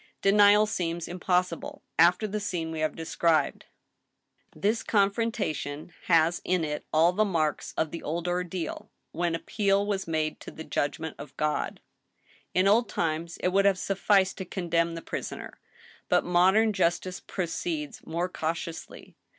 De nial seems impossible, after the scene we have described. This con AN ILLUMINATION. 1 59 frontation has in it all the marks of the old ordeal, when appeal was made to the judgment of God. In old times it would have sufficed to condemn the prisoner ; but modem justice proceeds more cau tiously.